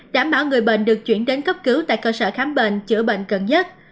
đảm bảo người bệnh được chuyển đến cấp cứu tại cơ sở khám bệnh chữa bệnh gần nhất